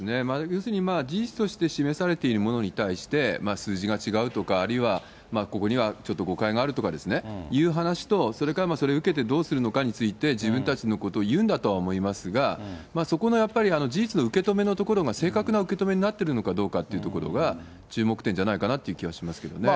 要するに、事実として示されているものに対して、数字が違うとか、あるいはここにはちょっと誤解があるとかですね、いう話と、それからそれを受けてどうするのかについて、自分たちのことを言うんだとは思いますが、そこのやっぱり事実の受け止めのところが、正確な受け止めになっているのかどうかというところが、注目点じゃないかなという気はしますけどね。